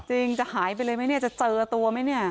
จะหายไปเลยไหมเนี่ยจะเจอตัวไหมเนี่ย